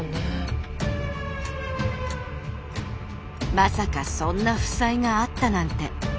まさかそんな負債があったなんて。